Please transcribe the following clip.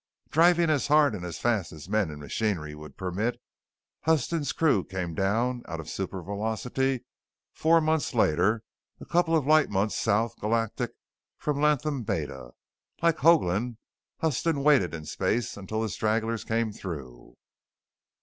Driving as hard and as fast as men and machinery would permit, Huston's crew came down out of supervelocity four months later, a couple of light months South Galactic from Latham Beta. Like Hoagland, Huston waited in space until the stragglers came through.